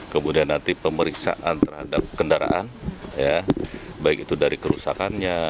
kemudian nanti pemeriksaan terhadap kendaraan baik itu dari kerusakannya